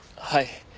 はい。